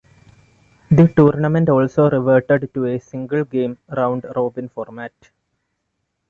The tournament also reverted to the single game round robin format.